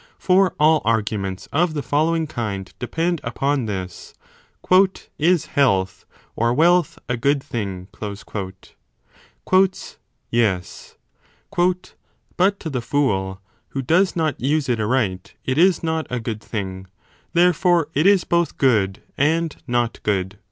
For all arguments of the following kind depend upon this. Is health, or wealth, a good thing ? Yes. But to the fool who does not use it aright it is not a good thing : therefore 10 it is both good and not good.